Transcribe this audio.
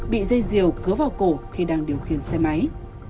bị dây diều cứa vào cổ khi đang điều khiển xe máy